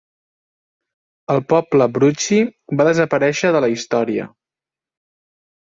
El poble Bruci va desaparèixer de la història.